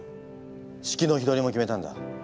式の日取りも決めたんだ。